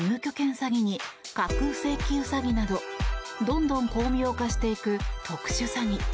詐欺に架空請求詐欺などどんどん巧妙化していく特殊詐欺。